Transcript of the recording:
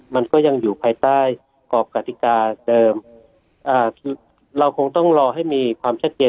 มันก็ยังอยู่ภายใต้กรอบกติกาเดิมเราคงต้องรอให้มีความชัดเจน